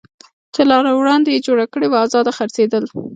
چې لا له وړاندې یې جوړ کړی و، ازاد څرخېدل.